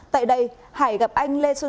tại đây hải gặp anh lê xuân